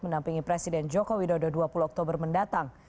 menampingi presiden joko widodo dua puluh oktober mendatang